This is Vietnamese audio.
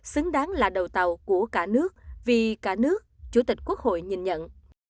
xứng đáng là đầu tàu của cả nước vì cả nước chủ tịch quốc hội nhìn nhận